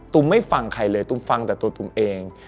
ตูมไม่ฟังใครเลยตูมฟังแต่ตัวตูมเอง